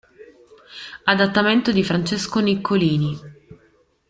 Adattamento di Francesco Niccolini.